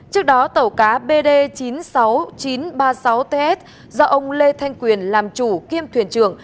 trước đó tàu cá bd chín mươi sáu nghìn chín trăm ba mươi sáu ts do ông lê thanh quyền làm chủ kiêm thuyền trưởng